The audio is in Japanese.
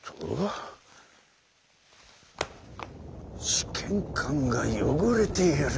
試験管がよごれている。